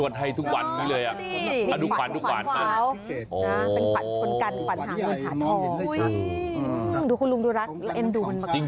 ดูคุณลุงดูรักเอ็นดูมันมากขึ้น